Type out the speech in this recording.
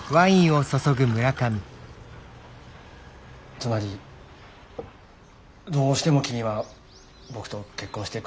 つまりどうしても君は僕と結婚してくれないんだね？